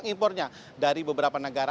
nah ini impornya dari beberapa negara